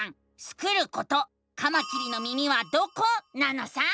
スクること「カマキリの耳はどこ？」なのさ！